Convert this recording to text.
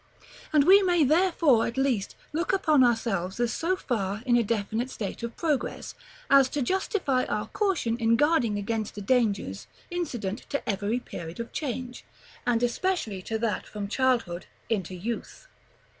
And we may therefore at least look upon ourselves as so far in a definite state of progress, as to justify our caution in guarding against the dangers incident to every period of change, and especially to that from childhood into youth.